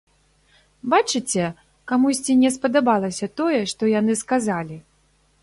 Бачыце, камусьці не спадабалася тое, што яны сказалі!